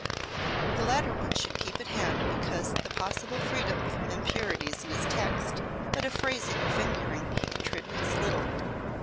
The latter one should keep at hand because of the possible freedom from impurities in his text, but of phrasing or fingering he contributes little.